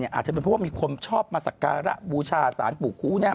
อาจจะเป็นเพราะว่ามีคนชอบมาสักการะบูชาสารปู่คู้